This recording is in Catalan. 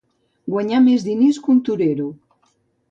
Guanyar més diners que un torero.